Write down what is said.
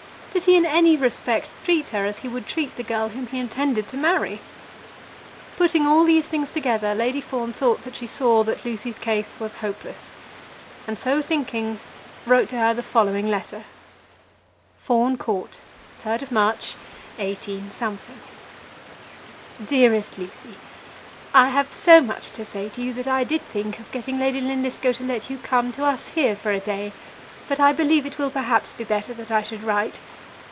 Did he in any respect treat her as he would treat the girl whom he intended to marry? Putting all these things together, Lady Fawn thought that she saw that Lucy's case was hopeless; and, so thinking, wrote to her the following letter: Fawn Court, 3rd March, 18 . DEAREST LUCY, I have so much to say to you that I did think of getting Lady Linlithgow to let you come to us here for a day, but I believe it will perhaps be better that I should write.